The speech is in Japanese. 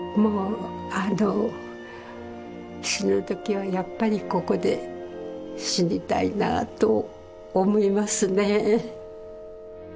あの死ぬ時はやっぱりここで死にたいなと思いますね。